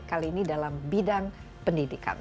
kali ini dalam bidang pendidikan